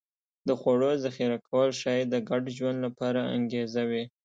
د خوړو ذخیره کول ښایي د ګډ ژوند لپاره انګېزه وي